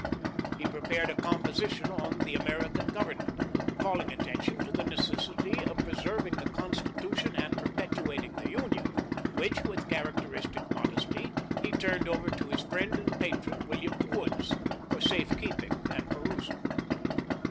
He prepared a composition on the American Government, calling attention to the necessity of preserving the Constitution and perpetuating the Union, which with characteristic modesty he turned over to his friend and patron, William Woods, for safe keeping and perusal.